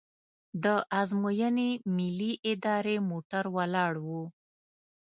د ازموینې ملي ادارې موټر ولاړ و.